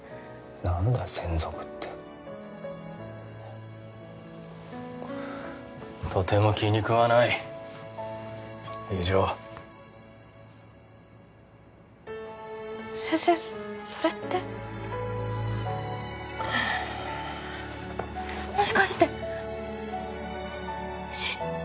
何だ専属ってとても気にくわない以上先生それってもしかして嫉妬？